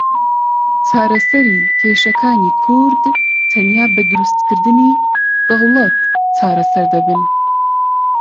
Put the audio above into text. چارەسەری کێشەکانی کورد تەنیا بە دروستکردنی دەوڵەت چارەسەر دەبن.